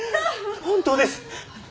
本当です。